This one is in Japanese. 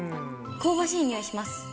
香ばしい匂いします。